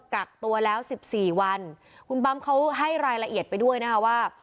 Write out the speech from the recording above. กักตัวแล้วสิบสี่วันคุณบัมเขาให้รายละเอียดไปด้วยนะคะว่า